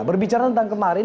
berbicara tentang kemarin